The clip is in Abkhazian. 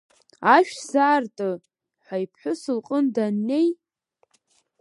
Ашә сзаарты, ҳәа иԥҳәыс лҟын даннеи…